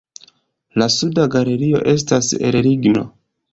La suda galerio estas el ligno.